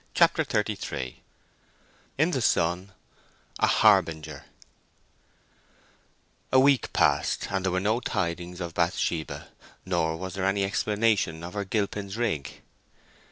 CHAPTER XXXIII IN THE SUN—A HARBINGER A week passed, and there were no tidings of Bathsheba; nor was there any explanation of her Gilpin's rig.